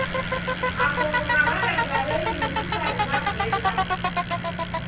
Makongo gha w'adaw'ida w'engi ni Sukari na Presha.